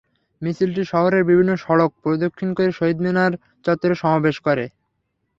মিছিলটি শহরের বিভিন্ন সড়ক প্রদক্ষিণ করে শহীদ মিনার চত্বরে সমাবেশ করে।